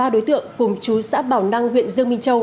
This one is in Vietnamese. ba đối tượng cùng chú xã bảo năng huyện dương minh châu